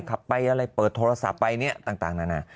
ขับไปอะไรเปิดโทรศัพท์ไปเนี่ยต่างนานา